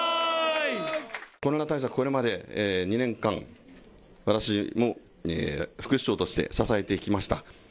コロナ対策、これまで２年間、私も副市長として支えてきました。